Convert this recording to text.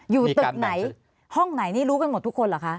อยู่ตึกไหนห้องไหนนี่รู้กันหมดทุกคนเหรอคะ